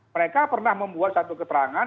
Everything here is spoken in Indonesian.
mereka pernah membuat satu keterangan